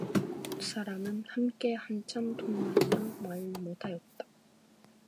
두 사람은 함께 한참 동안이나 말을 못 하였다.